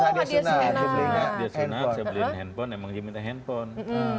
dapet hadiah sunat saya beliin handphone emang dia minta handphone